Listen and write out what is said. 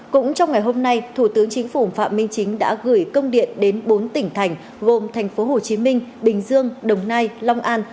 cũng trong ngày hôm nay thủ tướng chính phủ phạm minh chính đã gửi công điện đến bốn tỉnh thành gồm thành phố hồ chí minh bình dương đồng nai long an